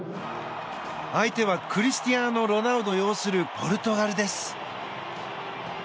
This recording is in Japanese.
相手はクリスティアーノ・ロナウド擁するポルトガルです。